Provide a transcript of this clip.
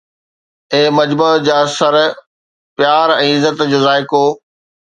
اي مجمع جا سر! پيار ۽ عزت جو ذائقو؟